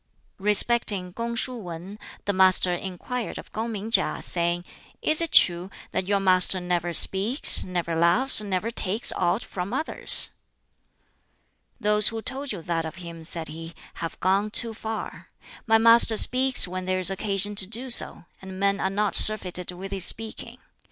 Respecting Kung shuh Wan, the Master inquired of Kung ming KiŠ, saying, "Is it true that your master never speaks, never laughs, never takes aught from others?" "Those who told you that of him," said he, "have gone too far. My master speaks when there is occasion to do so, and men are not surfeited with his speaking.